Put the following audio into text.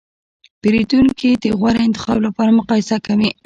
پیرودونکي د غوره انتخاب لپاره مقایسه کوي.